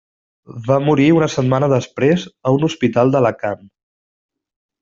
Va morir una setmana després a un hospital d'Alacant.